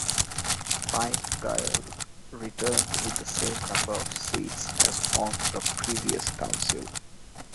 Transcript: Fine Gael returned with the same number of seats as on the previous council.